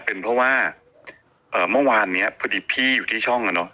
เป็นเพราะว่าเมื่อวานนี้พอดีพี่อยู่ที่ช่องอ่ะเนอะ